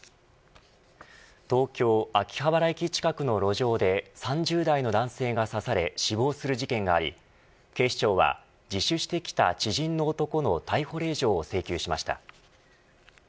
東京、秋葉原駅近くの路上で３０代の男性が刺され死亡する事件があり警視庁は自首してきた知人の男の逮捕令状を請求しました。